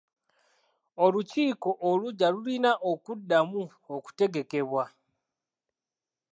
Olukiiko oluggya lulina okuddamu okutegekebwa.